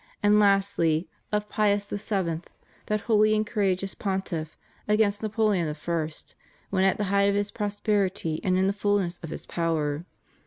and lastly, of Pius VII., that holy and courageous Pontiff, against Napoleon I., when at the height of his prosperity and in the fulness of his power.